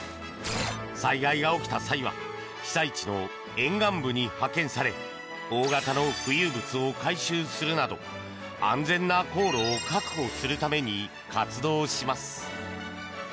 災害が起きた際は被災地の沿岸部に派遣され大型の浮遊物を回収するなど安全な航路を確保するために活動します。